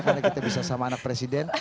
karena kita bisa sama anak presiden